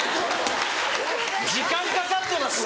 時間かかってますよ。